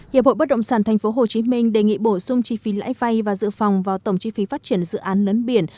hiệp hội bất động sản tp hcm đề nghị bổ sung chi phí lãi vay và dự phòng vào tổng chi phí phát triển dự án lấn biển